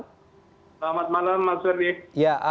selamat malam mas ferdie